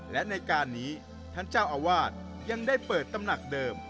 และในการนี้ท่านเจ้าอาวาสยังได้เปิดตำหนักเดิม